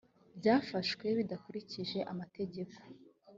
byafashwe bidakurikije amategeko